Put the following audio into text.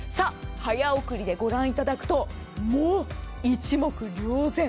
早送りでご覧いただくと一目瞭然。